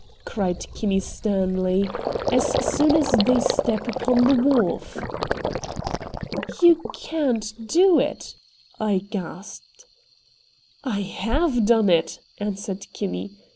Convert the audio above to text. cried Kinney sternly, "as soon as they step upon the wharf!" "You can't do it!" I gasped. "I HAVE done it!" answered Kinney.